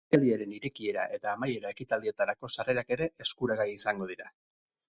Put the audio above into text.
Jaialdiaren irekiera eta amaiera ekitaldietarako sarrerak ere eskuragai izango dira.